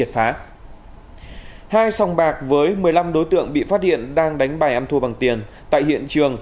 hai sòng bạc với một mươi năm đối tượng bị phát hiện đang đánh bài ăn thua bằng tiền tại hiện trường